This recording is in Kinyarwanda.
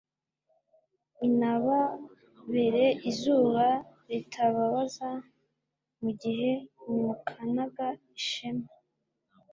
inababere izuba ritababaza mu gihe bimukanaga ishema